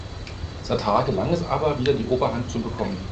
Sattar gelang es aber wieder die Oberhand zu bekommen.